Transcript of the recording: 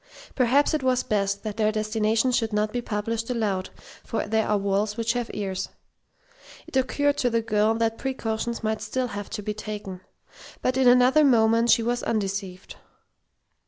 Perhaps it was best that their destination should not be published aloud, for there are walls which have ears. It occurred to the girl that precautions might still have to be taken. But in another moment she was undeceived.